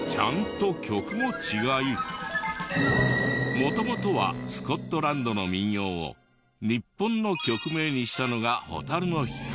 元々はスコットランドの民謡を日本の曲名にしたのが『蛍の光』。